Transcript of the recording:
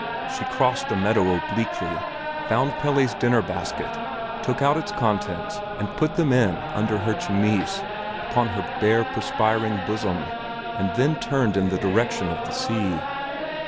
She crossed the meadow obliquely, found Pelle's dinner basket, took out its contents and put them in under her chemise upon her bare, perspiring bosom, and then turned in the direction of the sea.